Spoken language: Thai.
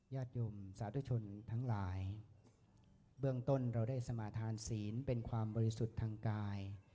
ญาติโยมสาธุชนทั้งหลายเบื้องต้นเราได้สมาธานศีลเป็นความบริสุทธิ์ทางกาย